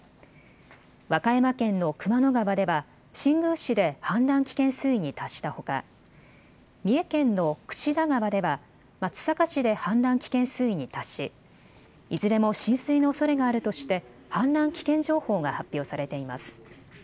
和歌山県の熊野川では新宮市で氾濫危険水位に達したほか三重県の櫛田川では松阪市で氾濫危険水位に達し、いずれも浸水のおそれがあるとして氾濫危険情報が発表されています。